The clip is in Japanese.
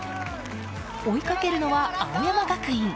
追いかけるのは青山学院。